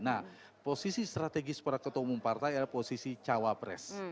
nah posisi strategis para ketua umum partai adalah posisi cawapres